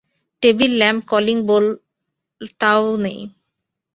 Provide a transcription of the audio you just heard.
Table lamp, calling বোল-তা-ও নেই।